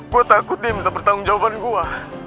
gue takut dia minta pertanggung jawaban gue